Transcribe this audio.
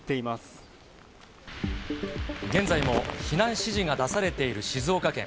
現在も避難指示が出されている静岡県。